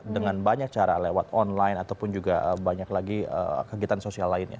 dengan banyak cara lewat online ataupun juga banyak lagi kegiatan sosial lainnya